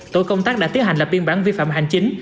tổ công tác đã tiến hành lập biên bản vi phạm hành chính